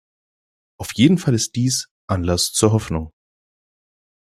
Auf jeden Fall ist dies Anlass zur Hoffnung.